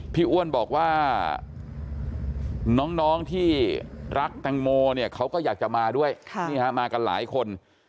อ้วนบอกว่าน้องที่รักแตงโมเนี่ยเขาก็อยากจะมาด้วยมากันหลายคน